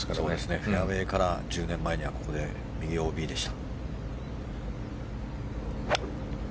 フェアウェーから１０年前にここに右ＯＢでした。